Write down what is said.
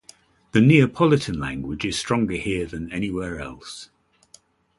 The Neapolitan language is stronger here than anywhere else.